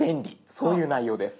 そういう内容です。